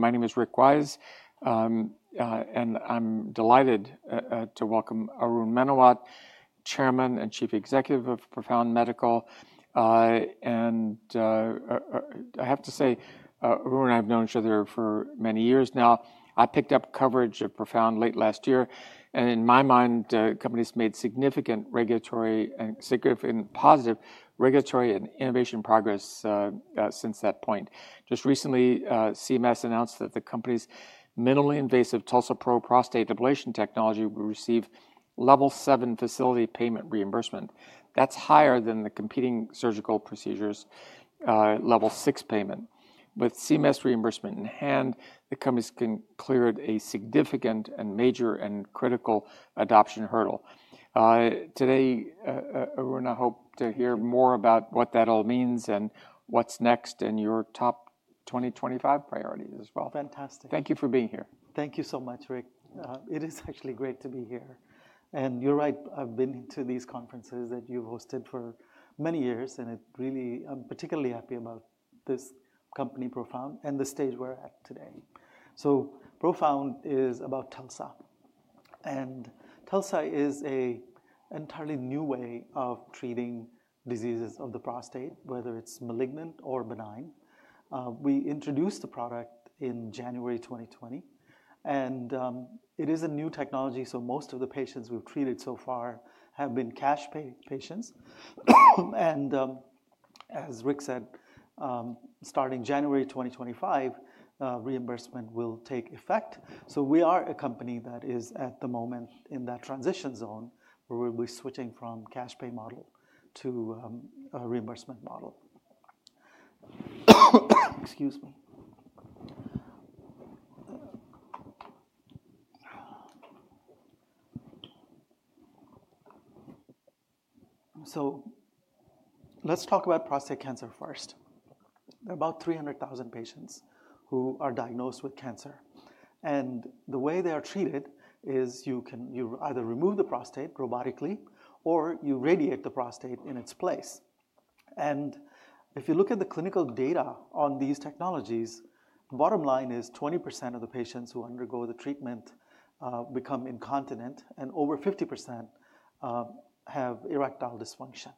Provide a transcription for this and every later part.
My name is Rick Wise, and I'm delighted to welcome Arun Menawat, Chairman and Chief Executive of Profound Medical, and I have to say, Arun, I've known each other for many years now. I picked up coverage of Profound late last year, and in my mind, the company's made significant regulatory and significant positive regulatory and innovation progress since that point. Just recently, CMS announced that the company's minimally invasive TULSA-PRO prostate ablation technology will receive Level 7 facility payment reimbursement. That's higher than the competing surgical procedures' Level 6 payment. With CMS reimbursement in hand, the company's cleared a significant and major and critical adoption hurdle. Today, Arun, I hope to hear more about what that all means and what's next and your top 2025 priorities as well. Fantastic. Thank you for being here. Thank you so much, Rick. It is actually great to be here. And you're right, I've been to these conferences that you've hosted for many years, and it really, I'm particularly happy about this company, Profound, and the stage we're at today. So Profound is about TULSA. And TULSA is an entirely new way of treating diseases of the prostate, whether it's malignant or benign. We introduced the product in January 2020, and it is a new technology. So most of the patients we've treated so far have been cash patients. And as Rick said, starting January 2025, reimbursement will take effect. So we are a company that is at the moment in that transition zone where we'll be switching from cash pay model to a reimbursement model. Excuse me. So let's talk about prostate cancer first. There are about 300,000 patients who are diagnosed with cancer. And the way they are treated is you can either remove the prostate robotically or you radiate the prostate in its place. And if you look at the clinical data on these technologies, the bottom line is 20% of the patients who undergo the treatment become incontinent, and over 50% have erectile dysfunction.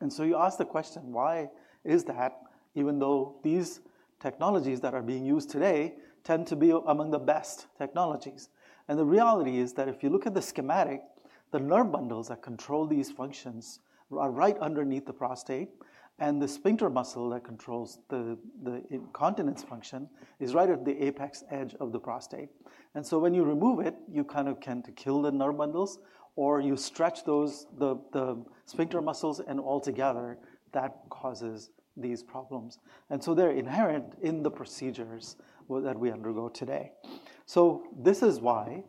And so you ask the question, why is that, even though these technologies that are being used today tend to be among the best technologies? And the reality is that if you look at the schematic, the nerve bundles that control these functions are right underneath the prostate, and the sphincter muscle that controls the incontinence function is right at the apex edge of the prostate. And so when you remove it, you kind of tend to kill the nerve bundles, or you stretch the sphincter muscles and altogether, that causes these problems. And so there are inherent in the procedures that we undergo today. So this is why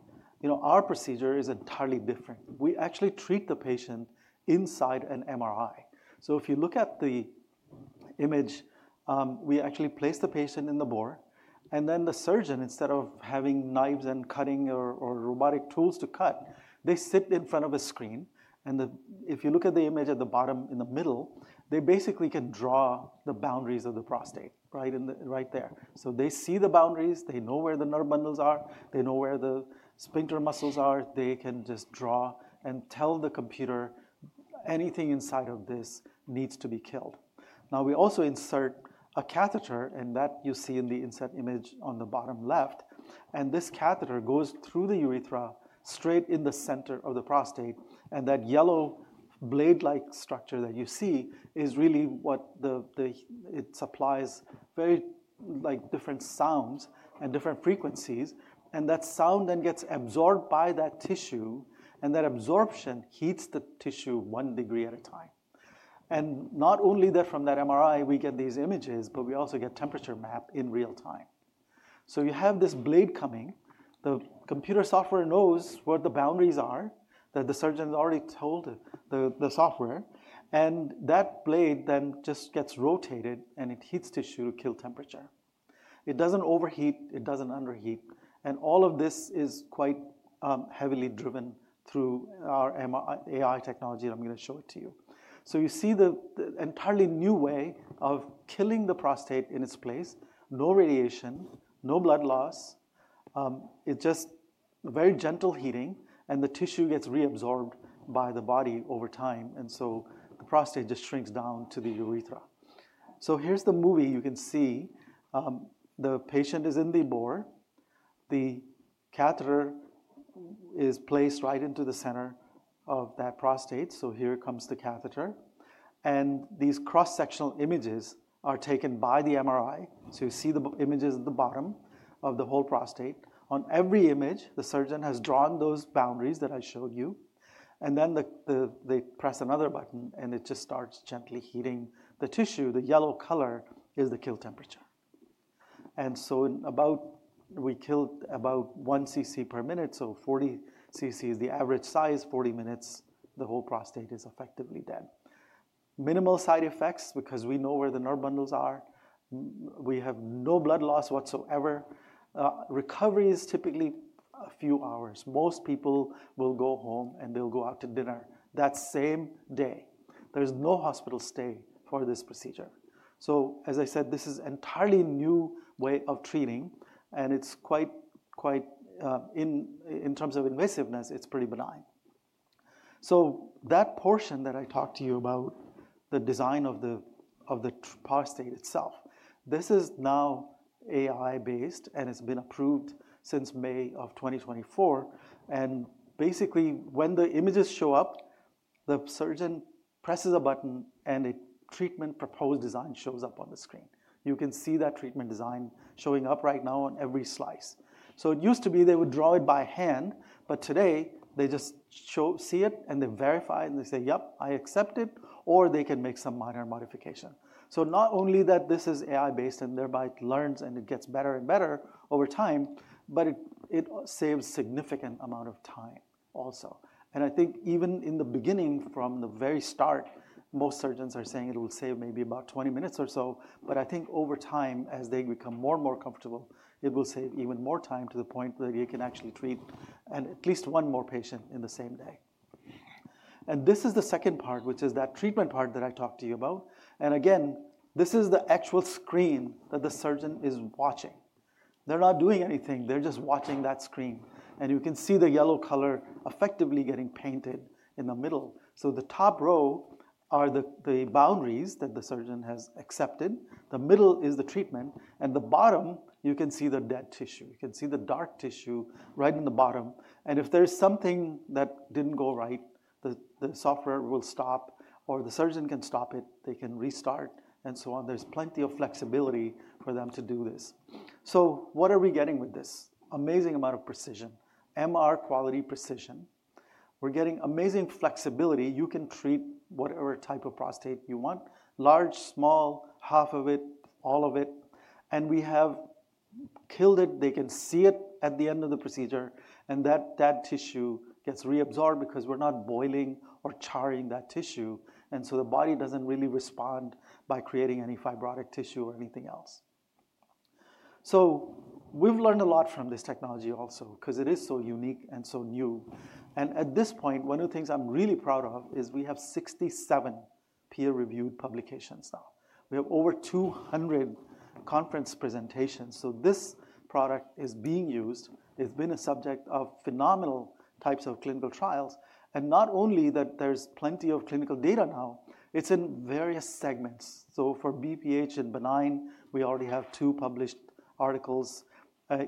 our procedure is entirely different. We actually treat the patient inside an MRI. So if you look at the image, we actually place the patient in the bore, and then the surgeon, instead of having knives and cutting or robotic tools to cut, they sit in front of a screen. And if you look at the image at the bottom in the middle, they basically can draw the boundaries of the prostate right there. So they see the boundaries, they know where the nerve bundles are, they know where the sphincter muscles are, they can just draw and tell the computer anything inside of this needs to be killed. Now, we also insert a catheter, and that you see in the inset image on the bottom left. And this catheter goes through the urethra straight in the center of the prostate. And that yellow blade-like structure that you see is really what it supplies very different sounds and different frequencies. And that sound then gets absorbed by that tissue, and that absorption heats the tissue one degree at a time. And not only that, from that MRI, we get these images, but we also get a temperature map in real time. So you have this blade coming. The computer software knows where the boundaries are that the surgeon has already told the software. And that blade then just gets rotated, and it heats tissue to kill temperature. It doesn't overheat, it doesn't underheat. And all of this is quite heavily driven through our AI technology that I'm going to show it to you. So you see the entirely new way of killing the prostate in its place. No radiation, no blood loss. It's just very gentle heating, and the tissue gets reabsorbed by the body over time. And so the prostate just shrinks down to the urethra. So here's the movie you can see. The patient is in the bore. The catheter is placed right into the center of that prostate. So here comes the catheter. And these cross-sectional images are taken by the MRI to see the images at the bottom of the whole prostate. On every image, the surgeon has drawn those boundaries that I showed you. And then they press another button, and it just starts gently heating the tissue. The yellow color is the kill temperature. And so we killed about one cc per minute, so 40 cc is the average size. 40 minutes, the whole prostate is effectively dead. Minimal side effects because we know where the nerve bundles are. We have no blood loss whatsoever. Recovery is typically a few hours. Most people will go home and they'll go out to dinner that same day. There's no hospital stay for this procedure. So as I said, this is an entirely new way of treating, and it's quite in terms of invasiveness, it's pretty benign. So that portion that I talked to you about, the design of the prostate itself, this is now AI-based, and it's been approved since May of 2024. And basically, when the images show up, the surgeon presses a button, and a treatment proposed design shows up on the screen. You can see that treatment design showing up right now on every slice. So it used to be they would draw it by hand, but today they just see it, and they verify, and they say, yep, I accept it, or they can make some minor modification. So not only that, this is AI-based, and thereby it learns and it gets better and better over time, but it saves a significant amount of time also. And I think even in the beginning, from the very start, most surgeons are saying it will save maybe about 20 minutes or so. But I think over time, as they become more and more comfortable, it will save even more time to the point that you can actually treat at least one more patient in the same day. And this is the second part, which is that treatment part that I talked to you about. And again, this is the actual screen that the surgeon is watching. They're not doing anything. They're just watching that screen. And you can see the yellow color effectively getting painted in the middle. So the top row are the boundaries that the surgeon has accepted. The middle is the treatment. And the bottom, you can see the dead tissue. You can see the dark tissue right in the bottom. And if there's something that didn't go right, the software will stop, or the surgeon can stop it. They can restart and so on. There's plenty of flexibility for them to do this. So what are we getting with this? Amazing amount of precision, MR quality precision. We're getting amazing flexibility. You can treat whatever type of prostate you want, large, small, half of it, all of it. And we have killed it. They can see it at the end of the procedure, and that dead tissue gets reabsorbed because we're not boiling or charring that tissue, and so the body doesn't really respond by creating any fibrotic tissue or anything else, so we've learned a lot from this technology also because it is so unique and so new, and at this point, one of the things I'm really proud of is we have 67 peer-reviewed publications now. We have over 200 conference presentations, so this product is being used. It's been a subject of phenomenal types of clinical trials, and not only that, there's plenty of clinical data now. It's in various segments, so for BPH and benign, we already have two published articles.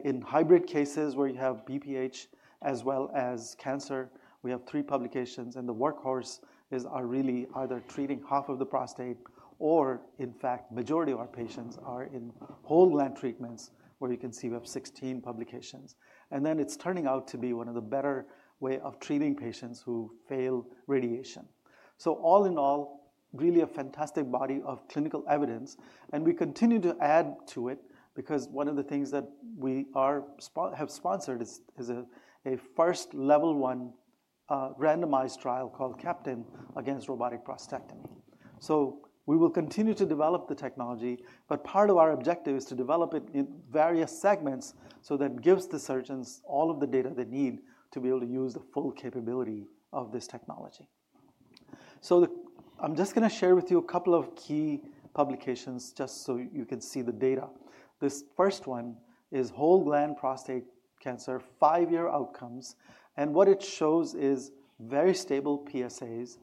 In hybrid cases where you have BPH as well as cancer, we have three publications. The workhorse is really either treating half of the prostate or, in fact, the majority of our patients are in whole gland treatments where you can see we have 16 publications. And then it's turning out to be one of the better ways of treating patients who fail radiation. So all in all, really a fantastic body of clinical evidence. And we continue to add to it because one of the things that we have sponsored is a first Level 1 randomized trial called CAPTAIN against robotic prostatectomy. So we will continue to develop the technology, but part of our objective is to develop it in various segments so that it gives the surgeons all of the data they need to be able to use the full capability of this technology. So I'm just going to share with you a couple of key publications just so you can see the data. This first one is whole gland prostate cancer, five-year outcomes. And what it shows is very stable PSAs.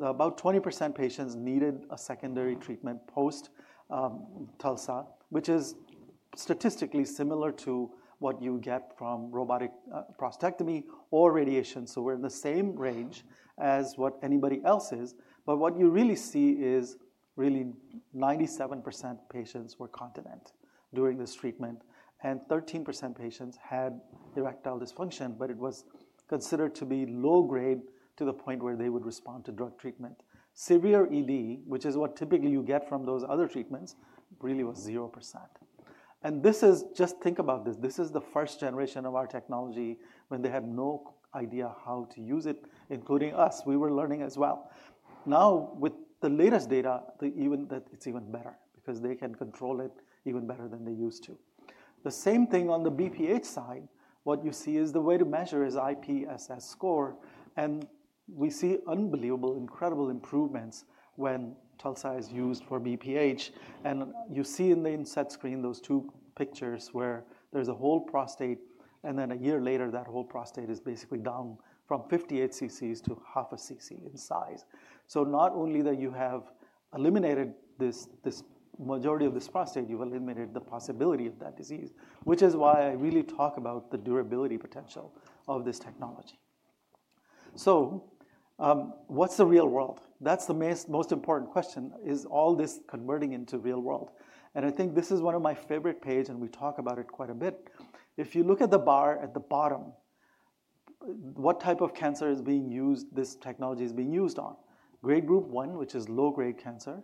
About 20% of patients needed a secondary treatment post TULSA, which is statistically similar to what you get from robotic prostatectomy or radiation. So we're in the same range as what anybody else is. But what you really see is really 97% of patients were continent during this treatment, and 13% of patients had erectile dysfunction, but it was considered to be low grade to the point where they would respond to drug treatment. Severe ED, which is what typically you get from those other treatments, really was 0%. And this is just think about this. This is the first generation of our technology when they had no idea how to use it, including us. We were learning as well. Now, with the latest data, it's even better because they can control it even better than they used to. The same thing on the BPH side, what you see is the way to measure is IPSS score. We see unbelievable, incredible improvements when TULSA is used for BPH. You see in the insert screen those two pictures where there's a whole prostate, and then a year later, that whole prostate is basically down from 58 cc to half a cc in size. Not only that, you have eliminated this majority of this prostate, you've eliminated the possibility of that disease, which is why I really talk about the durability potential of this technology. What's the real world? That's the most important question is all this converting into real world? And I think this is one of my favorite pages, and we talk about it quite a bit. If you look at the bar at the bottom, what type of cancer is being used? This technology is being used on Grade Group 1, which is low-grade cancer.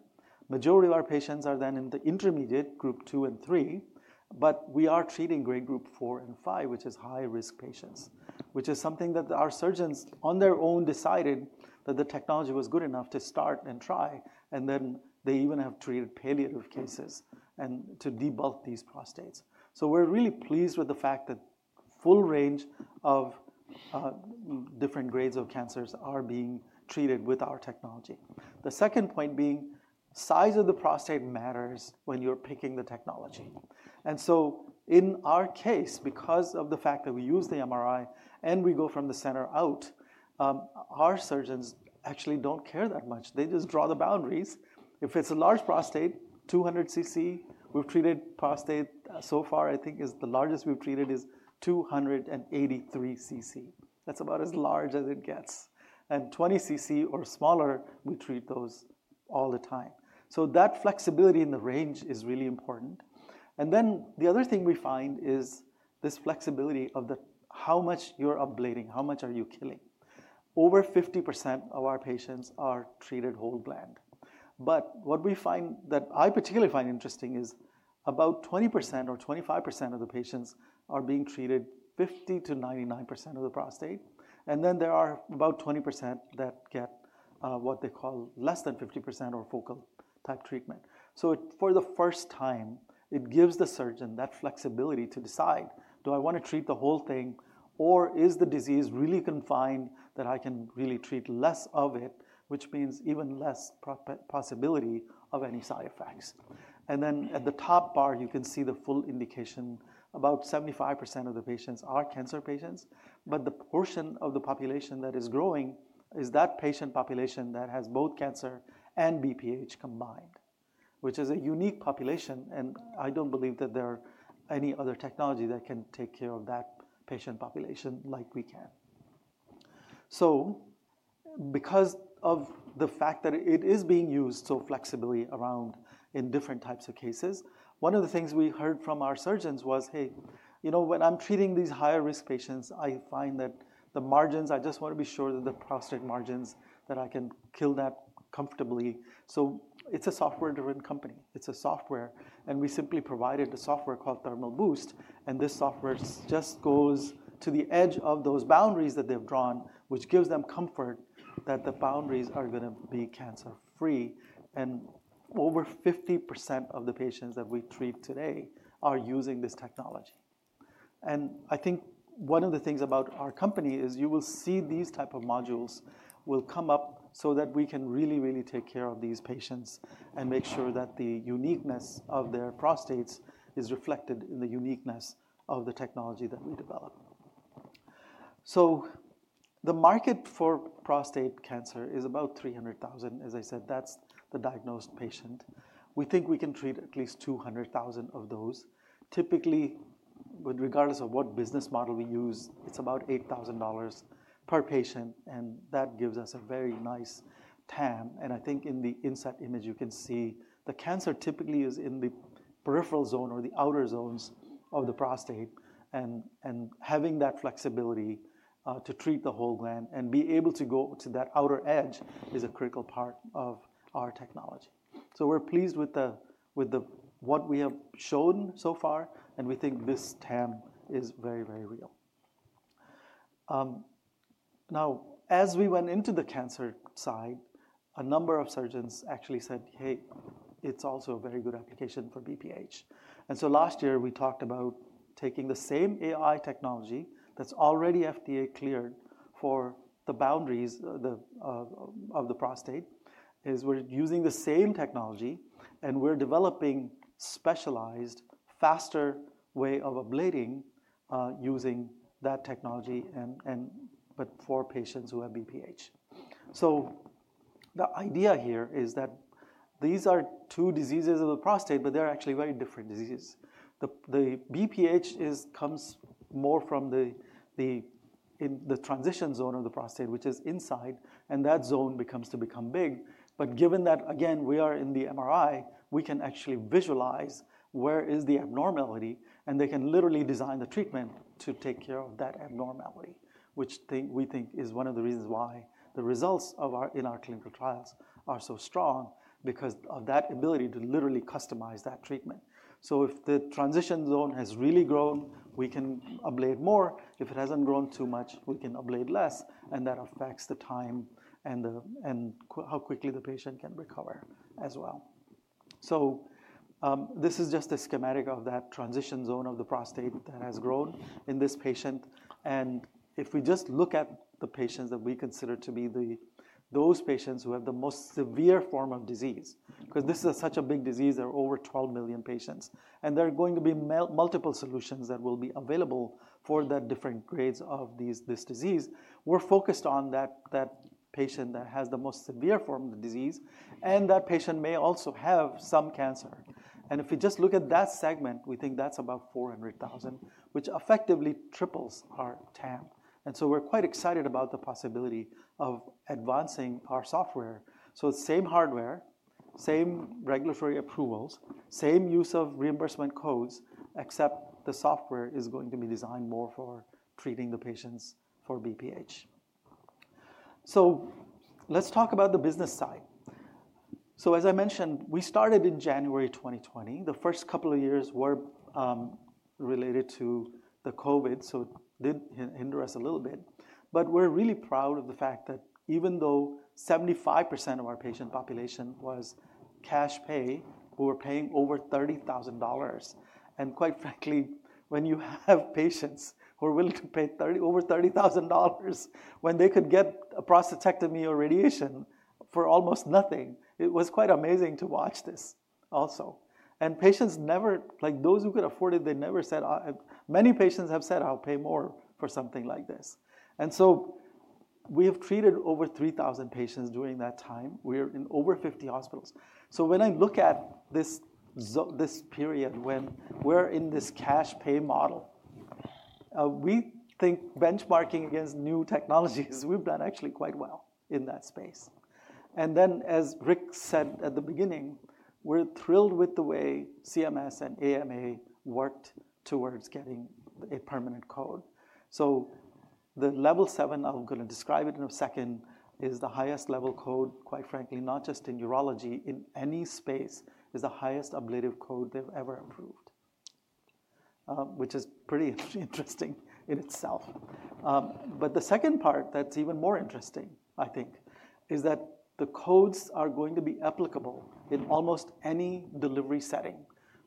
The majority of our patients are then in the intermediate group two and three, but we are treating Grade Group 4 and 5, which is high-risk patients, which is something that our surgeons on their own decided that the technology was good enough to start and try. And then they even have treated palliative cases to debulk these prostates. So we're really pleased with the fact that full range of different grades of cancers are being treated with our technology. The second point being the size of the prostate matters when you're picking the technology, and so in our case, because of the fact that we use the MRI and we go from the center out, our surgeons actually don't care that much. They just draw the boundaries. If it's a large prostate, 200 cc. We've treated prostate so far, I think, is the largest we've treated, 283 cc. That's about as large as it gets, and 20 cc or smaller, we treat those all the time, so that flexibility in the range is really important, and then the other thing we find is this flexibility of how much you're ablating, how much are you killing. Over 50% of our patients are treated whole gland. But what we find that I particularly find interesting is about 20% or 25% of the patients are being treated 50%-99% of the prostate. And then there are about 20% that get what they call less than 50% or focal type treatment. So for the first time, it gives the surgeon that flexibility to decide, do I want to treat the whole thing, or is the disease really confined that I can really treat less of it, which means even less possibility of any side effects? And then at the top bar, you can see the full indication. About 75% of the patients are cancer patients, but the portion of the population that is growing is that patient population that has both cancer and BPH combined, which is a unique population. And I don't believe that there are any other technology that can take care of that patient population like we can. So because of the fact that it is being used so flexibly around in different types of cases, one of the things we heard from our surgeons was, "Hey, you know when I'm treating these high-risk patients, I find that the margins, I just want to be sure that the prostate margins that I can kill that comfortably." So it's a software-driven company. It's a software. And we simply provided the software called Thermal Boost. And this software just goes to the edge of those boundaries that they've drawn, which gives them comfort that the boundaries are going to be cancer-free. And over 50% of the patients that we treat today are using this technology. And I think one of the things about our company is you will see these types of modules will come up so that we can really, really take care of these patients and make sure that the uniqueness of their prostates is reflected in the uniqueness of the technology that we develop. So the market for prostate cancer is about 300,000. As I said, that's the diagnosed patient. We think we can treat at least 200,000 of those. Typically, regardless of what business model we use, it's about $8,000 per patient. And that gives us a very nice TAM. And I think in the insert image, you can see the cancer typically is in the peripheral zone or the outer zones of the prostate. And having that flexibility to treat the whole gland and be able to go to that outer edge is a critical part of our technology. So we're pleased with what we have shown so far, and we think this TAM is very, very real. Now, as we went into the cancer side, a number of surgeons actually said, hey, it's also a very good application for BPH. And so last year, we talked about taking the same AI technology that's already FDA-cleared for the boundaries of the prostate. We're using the same technology, and we're developing a specialized, faster way of ablating using that technology, but for patients who have BPH. So the idea here is that these are two diseases of the prostate, but they're actually very different diseases. The BPH comes more from the transition zone of the prostate, which is inside, and that zone becomes big. But given that, again, we are in the MRI, we can actually visualize where is the abnormality, and they can literally design the treatment to take care of that abnormality, which we think is one of the reasons why the results in our clinical trials are so strong because of that ability to literally customize that treatment. So if the transition zone has really grown, we can ablate more. If it hasn't grown too much, we can ablate less, and that affects the time and how quickly the patient can recover as well. So this is just a schematic of that transition zone of the prostate that has grown in this patient. And if we just look at the patients that we consider to be those patients who have the most severe form of disease, because this is such a big disease, there are over 12 million patients, and there are going to be multiple solutions that will be available for the different grades of this disease. We're focused on that patient that has the most severe form of the disease, and that patient may also have some cancer. And if we just look at that segment, we think that's about 400,000, which effectively triples our TAM. And so we're quite excited about the possibility of advancing our software. So same hardware, same regulatory approvals, same use of reimbursement codes, except the software is going to be designed more for treating the patients for BPH. So let's talk about the business side. So as I mentioned, we started in January 2020. The first couple of years were related to the COVID, so it did hinder us a little bit. But we're really proud of the fact that even though 75% of our patient population was cash pay, we were paying over $30,000. And quite frankly, when you have patients who are willing to pay over $30,000 when they could get a prostatectomy or radiation for almost nothing, it was quite amazing to watch this also. And patients never, like those who could afford it, they never said, many patients have said, I'll pay more for something like this. And so we have treated over 3,000 patients during that time. We are in over 50 hospitals. So when I look at this period when we're in this cash pay model, we think benchmarking against new technologies, we've done actually quite well in that space. And then, as Rick said at the beginning, we're thrilled with the way CMS and AMA worked towards getting a permanent code. So the Level 7, I'm going to describe it in a second, is the highest level code, quite frankly, not just in urology, in any space, is the highest ablative code they've ever approved, which is pretty interesting in itself. But the second part that's even more interesting, I think, is that the codes are going to be applicable in almost any delivery setting,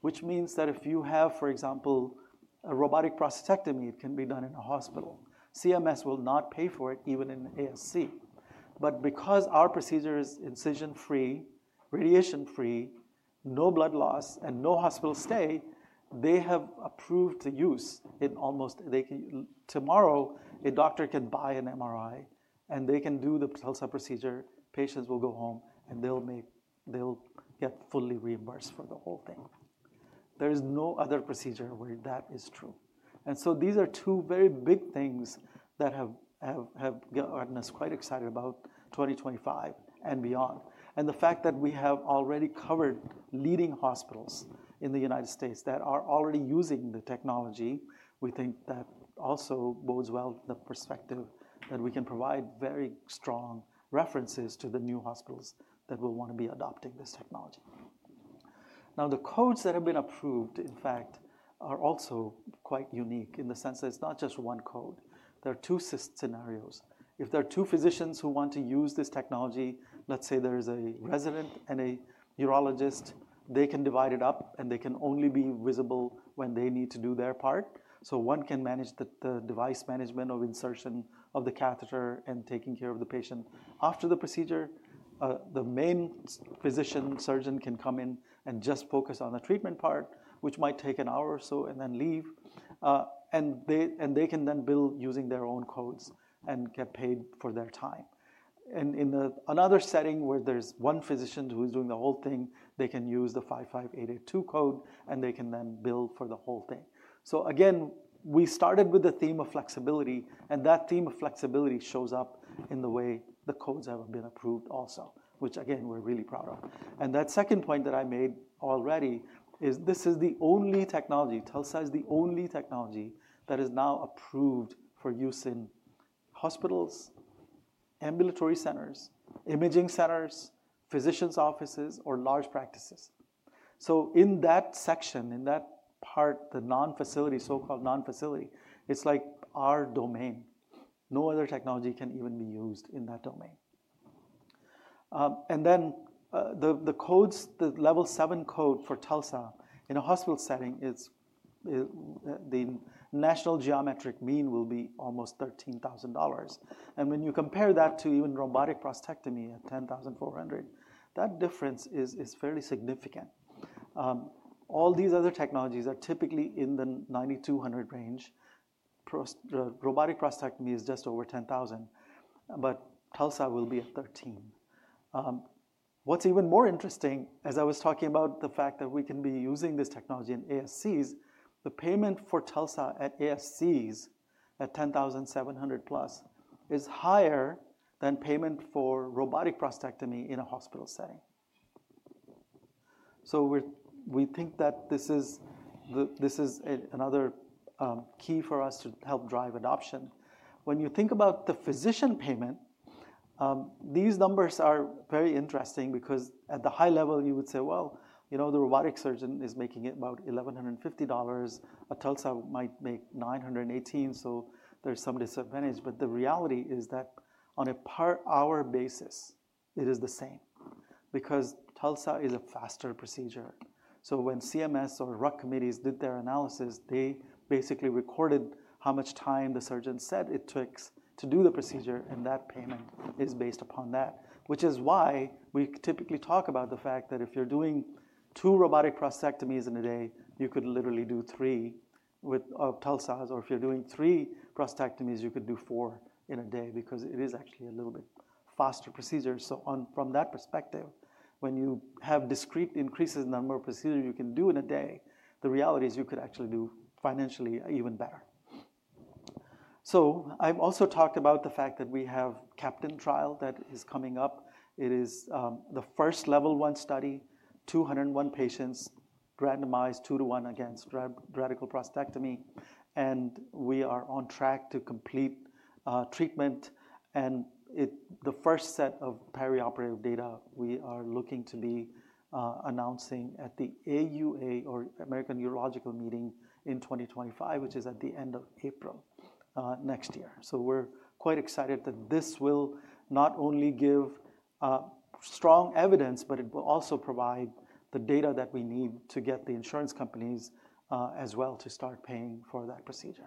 which means that if you have, for example, a robotic prostatectomy, it can be done in a hospital. CMS will not pay for it even in ASC. But because our procedure is incision-free, radiation-free, no blood loss, and no hospital stay, they have approved the use, and almost tomorrow a doctor can buy an MRI, and they can do the TULSA procedure, patients will go home, and they'll get fully reimbursed for the whole thing. There is no other procedure where that is true. And so these are two very big things that have gotten us quite excited about 2025 and beyond. And the fact that we have already covered leading hospitals in the United States that are already using the technology. We think that also bodes well in the perspective that we can provide very strong references to the new hospitals that will want to be adopting this technology. Now, the codes that have been approved, in fact, are also quite unique in the sense that it's not just one code. There are two scenarios. If there are two physicians who want to use this technology, let's say there is a resident and a urologist, they can divide it up, and they can only be visible when they need to do their part, so one can manage the device management of insertion of the catheter and taking care of the patient after the procedure. The main physician surgeon can come in and just focus on the treatment part, which might take an hour or so and then leave, and they can then bill using their own codes and get paid for their time, and in another setting where there's one physician who is doing the whole thing, they can use the 55882 code, and they can then bill for the whole thing. So again, we started with the theme of flexibility, and that theme of flexibility shows up in the way the codes have been approved also, which again, we're really proud of. And that second point that I made already is this is the only technology, TULSA is the only technology that is now approved for use in hospitals, ambulatory centers, imaging centers, physicians' offices, or large practices. So in that section, in that part, the non-facility, so called non-facility, it's like our domain. No other technology can even be used in that domain. And then the codes, the Level 7 code for TULSA in a hospital setting, the national geometric mean will be almost $13,000. And when you compare that to even robotic prostatectomy at $10,400, that difference is fairly significant. All these other technologies are typically in the $9,200 range. Robotic prostatectomy is just over $10,000, but TULSA will be at $13,000. What's even more interesting, as I was talking about the fact that we can be using this technology in ASCs, the payment for TULSA at ASCs at $10,700+ is higher than payment for robotic prostatectomy in a hospital setting. So we think that this is another key for us to help drive adoption. When you think about the physician payment, these numbers are very interesting because at the high level, you would say, well, you know the robotic surgeon is making it about $1,150. A TULSA might make $918, so there's some disadvantage. But the reality is that on a per-hour basis, it is the same because TULSA is a faster procedure. So when CMS or RUC committees did their analysis, they basically recorded how much time the surgeon said it took to do the procedure, and that payment is based upon that, which is why we typically talk about the fact that if you're doing two robotic prostatectomies in a day, you could literally do three with TULSA. Or if you're doing three prostatectomies, you could do four in a day because it is actually a little bit faster procedure. So from that perspective, when you have discrete increases in the number of procedures you can do in a day, the reality is you could actually do financially even better. So I've also talked about the fact that we have a CAPTAIN trial that is coming up. It is the first Level 1 study, 201 patients randomized two to one against radical prostatectomy. And we are on track to complete treatment. The first set of perioperative data we are looking to be announcing at the AUA or American Urological Meeting in 2025, which is at the end of April next year. So we're quite excited that this will not only give strong evidence, but it will also provide the data that we need to get the insurance companies as well to start paying for that procedure.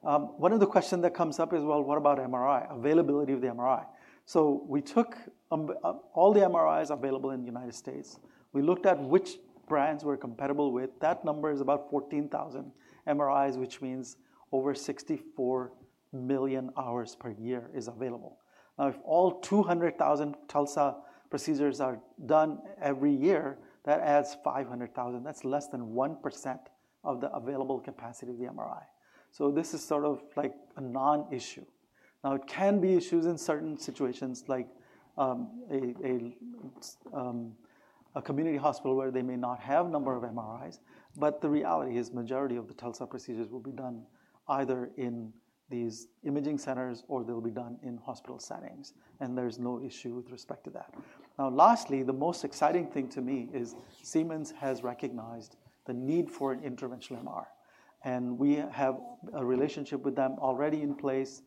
One of the questions that comes up is, well, what about MRI, availability of the MRI? So we took all the MRIs available in the United States. We looked at which brands we're compatible with. That number is about 14,000 MRIs, which means over 64 million hours per year is available. Now, if all 200,000 TULSA procedures are done every year, that adds 500,000. That's less than 1% of the available capacity of the MRI. So this is sort of like a non-issue. Now, it can be issues in certain situations like a community hospital where they may not have a number of MRIs, but the reality is the majority of the TULSA procedures will be done either in these imaging centers or they'll be done in hospital settings, and there's no issue with respect to that. Now, lastly, the most exciting thing to me is Siemens has recognized the need for an interventional MRI, and we have a relationship with them already in place.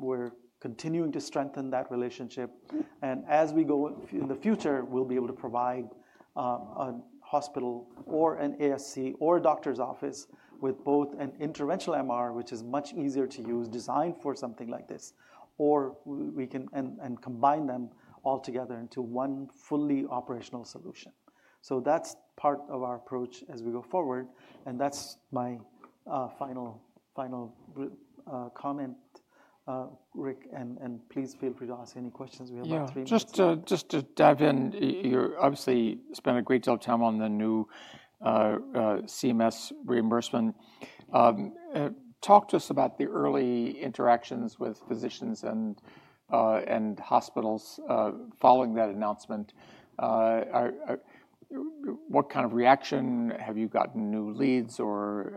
We're continuing to strengthen that relationship, and as we go in the future, we'll be able to provide a hospital or an ASC or a doctor's office with both an interventional MRI, which is much easier to use, designed for something like this, and combine them all together into one fully operational solution, so that's part of our approach as we go forward. That's my final comment, Rick. Please feel free to ask any questions. We have about three minutes. Just to dive in, you obviously spent a great deal of time on the new CMS reimbursement. Talk to us about the early interactions with physicians and hospitals following that announcement. What kind of reaction? Have you gotten new leads, or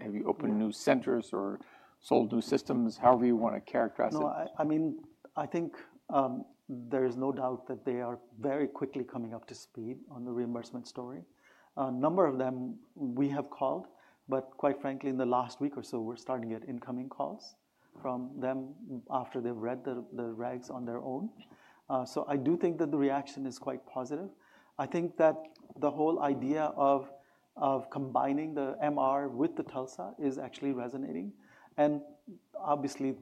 have you opened new centers, or sold new systems? However you want to characterize it. I mean, I think there is no doubt that they are very quickly coming up to speed on the reimbursement story. A number of them we have called, but quite frankly, in the last week or so, we're starting to get incoming calls from them after they've read the regs on their own. I do think that the reaction is quite positive. I think that the whole idea of combining the MRI with the TULSA is actually resonating. And obviously,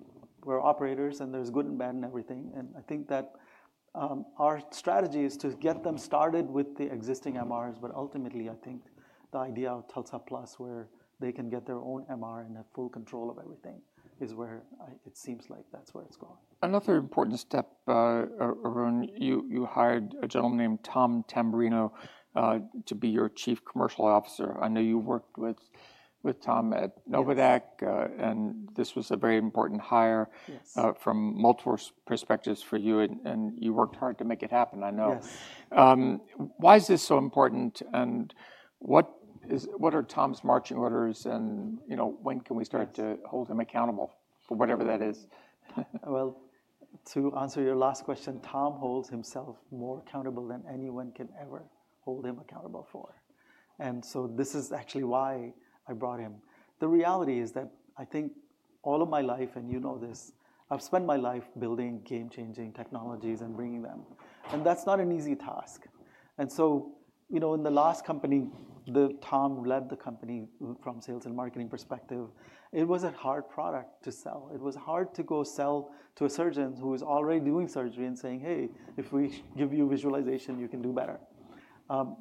we're operators, and there's good and bad and everything. And I think that our strategy is to get them started with the existing MRIs, but ultimately, I think the idea of TULSA Plus, where they can get their own MRI and have full control of everything, is where it seems like that's where it's going. Another important step, Arun, you hired a gentleman named Tom D'Ambra to be your Chief Commercial Officer. I know you worked with Tom at Novadaq, and this was a very important hire from multiple perspectives for you, and you worked hard to make it happen, I know. Why is this so important, and what are Tom's marching orders, and when can we start to hold him accountable for whatever that is? To answer your last question, Tom holds himself more accountable than anyone can ever hold him accountable for. And so this is actually why I brought him. The reality is that I think all of my life, and you know this, I've spent my life building game-changing technologies and bringing them. And that's not an easy task. And so in the last company, Tom led the company from a sales and marketing perspective. It was a hard product to sell. It was hard to go sell to a surgeon who is already doing surgery and saying, "Hey, if we give you visualization, you can do better."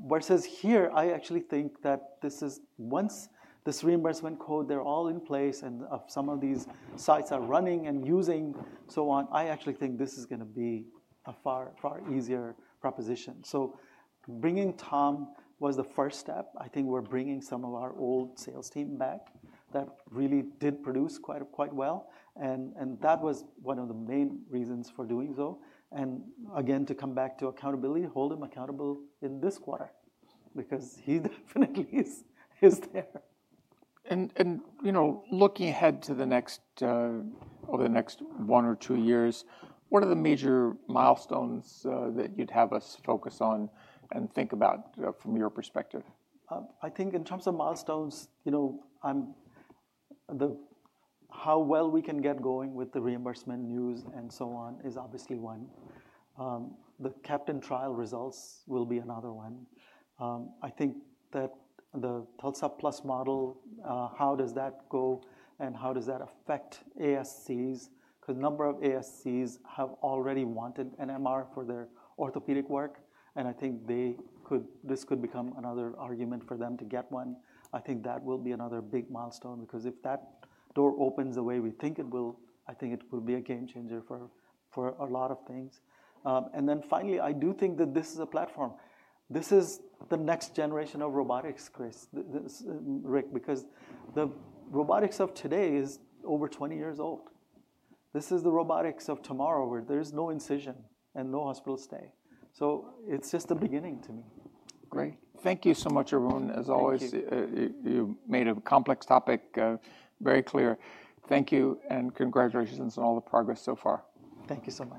Versus here, I actually think that this is once this reimbursement code, they're all in place, and some of these sites are running and using, so on, I actually think this is going to be a far, far easier proposition. So bringing Tom was the first step. I think we're bringing some of our old sales team back that really did produce quite well. And that was one of the main reasons for doing so. And again, to come back to accountability, hold him accountable in this quarter because he definitely is there. And looking ahead to the next one or two years, what are the major milestones that you'd have us focus on and think about from your perspective? I think in terms of milestones, how well we can get going with the reimbursement news and so on is obviously one. The CAPTAIN trial results will be another one. I think that the TULSA Plus model, how does that go and how does that affect ASCs? Because a number of ASCs have already wanted an MRI for their orthopedic work, and I think this could become another argument for them to get one. I think that will be another big milestone because if that door opens the way we think it will, I think it will be a game changer for a lot of things. And then finally, I do think that this is a platform. This is the next generation of robotics, Chris, Rick because the robotics of today is over 20 years old. This is the robotics of tomorrow where there is no incision and no hospital stay. So it's just the beginning to me. Great. Thank you so much, Arun. As always, you made a complex topic very clear. Thank you, and congratulations on all the progress so far. Thank you so much.